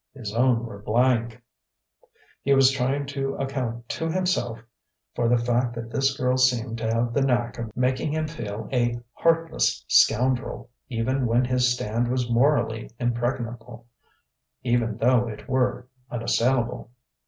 His own were blank.... He was trying to account to himself for the fact that this girl seemed to have the knack of making him feel a heartless scoundrel, even when his stand was morally impregnable, even though it were unassailable.